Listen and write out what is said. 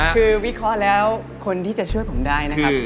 คือวิเคราะห์แล้วคนที่จะช่วยผมได้นะครับ